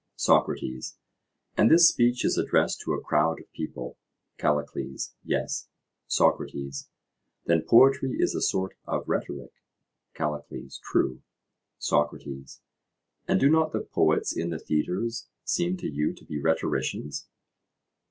SOCRATES: And this speech is addressed to a crowd of people? CALLICLES: Yes. SOCRATES: Then poetry is a sort of rhetoric? CALLICLES: True. SOCRATES: And do not the poets in the theatres seem to you to be rhetoricians?